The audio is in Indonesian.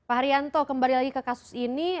pak haryanto kembali lagi ke kasus ini